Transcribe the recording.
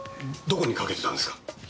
どこにかけてたんですか？